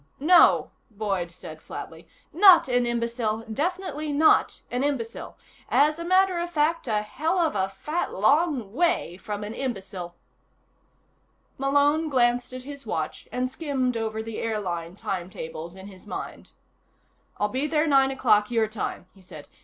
"No," Boyd said flatly. "Not an imbecile. Definitely not an imbecile. As a matter of fact, a hell of a fat long way from an imbecile." Malone glanced at his watch and skimmed over the airline timetables in his mind. "I'll be there nine o'clock, your time," he said.